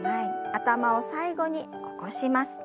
頭を最後に起こします。